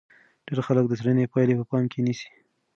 ډېر خلک د څېړنې پایلې په پام کې نیسي.